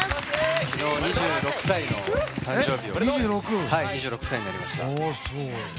２６歳の誕生日で２６歳になりました。